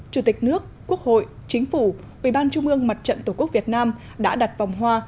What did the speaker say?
chủ tịch nước quốc hội chính phủ ubnd mặt trận tổ quốc việt nam đã đặt vòng hoa